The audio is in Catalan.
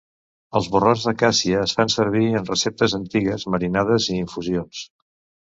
Els borrons de càssia es fan servir en receptes antigues, marinades i infusions.